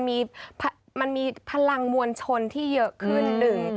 มันมีพลังมวลชนที่เยอะขึ้นหนึ่ง